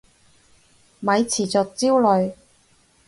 咪持續焦慮